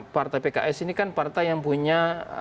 partai pks ini kan partai yang punya